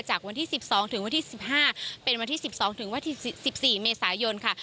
จากวันที่๑๒ถึงวันที่๑๕เป็นวันที่๑๒ถึงวันที่๑๔เมษายนค่ะ